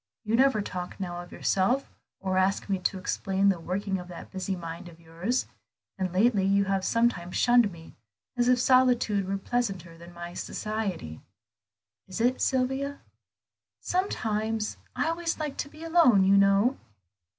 You never talk now of yourself, or ask me to explain the working of that busy mind of yours; and lately you have sometimes shunned me, as if solitude were pleasanter than my society. Is it, Sylvia?" "Sometimes; I always liked to be alone, you know."